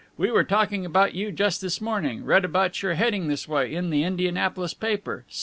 We were talking about you just this morning read about your heading this way, in the Indianapolis paper.